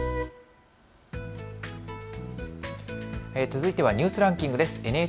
続いてはニュースランキングです。